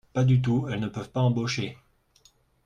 Pas du tout, elles ne peuvent pas embaucher